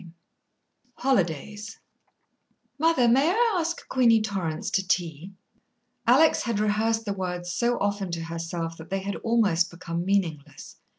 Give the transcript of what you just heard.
IV Holidays "Mother, may I ask Queenie Torrance to tea?" Alex had rehearsed the words so often to herself that they had almost become meaningless.